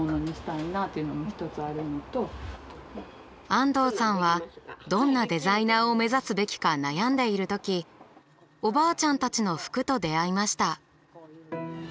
安藤さんはどんなデザイナーを目指すべきか悩んでいるときおばあちゃんたちの服と出会いました。